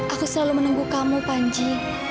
aku selalu menunggu kamu panji